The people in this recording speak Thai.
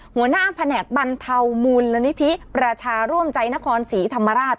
หัวหน้าแผนกบรรเทามูลนิธิประชาร่วมใจนครศรีธรรมราช